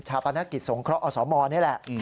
ปนกิจสงเคราะห์อสมนี่แหละ